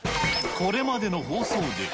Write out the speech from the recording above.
これまでの放送で。